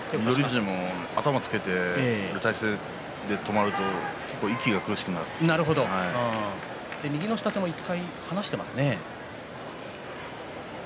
富士も頭をつけている体勢で止まると息が苦しくなるん右の下手も一回離していますね。